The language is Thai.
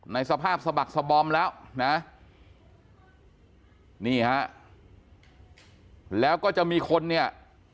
สภาพสะบักสะบอมแล้วนะนี่ฮะแล้วก็จะมีคนเนี่ย